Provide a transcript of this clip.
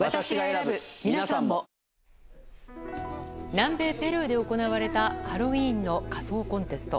南米ペルーで行われたハロウィーンの仮装コンテスト。